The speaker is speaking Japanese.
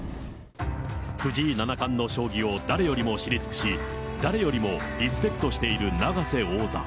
藤井七冠の将棋を誰よりも知り尽くし、誰よりもリスペクトしている永瀬王座。